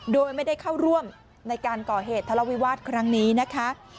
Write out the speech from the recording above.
โดยไม่ได้เข้าร่วมในการก่อเหตุทะเลาวิวาสครั้งนี้นะคะ